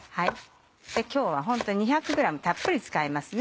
今日はホント２００ｇたっぷり使いますね。